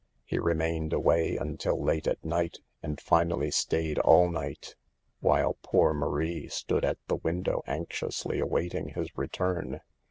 He remained away until late at night, and finally stayed all night, while poor Marie stood at the window, anxiously awaiting his return.